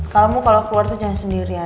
kalau mau keluar jangan sendirian